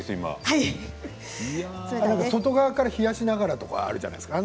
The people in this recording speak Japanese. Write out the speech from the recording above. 外側から冷やしながらとかあるじゃないですか。